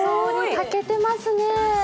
炊けてますね。